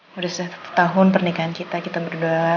sudah satu tahun pernikahan kita kita berdua